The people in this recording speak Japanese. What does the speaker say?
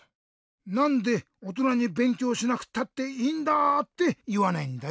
なんでおとなに「べんきょうしなくたっていいんだ！」っていわないんだい？